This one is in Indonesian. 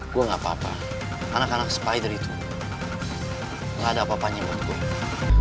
gue gak apa apa anak anak spider itu gak ada apa apanya untuk gue